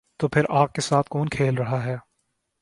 تو پھر آگ کے ساتھ کون کھیل رہا ہے؟